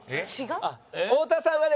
太田さんはね